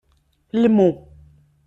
Lmu.